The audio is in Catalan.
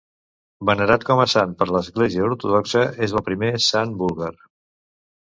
Venerat com a sant per l'Església ortodoxa, és el primer sant búlgar.